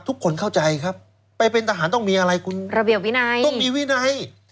ทุกคนเข้าใจครับไปเป็นทหารต้องมีอะไรคุณระเบียบวินัยต้องมีวินัย